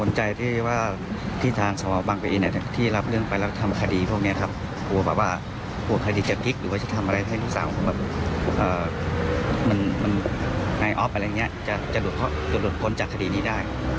เนี่ยค่ะทางนายอาจริยะก็บอกว่า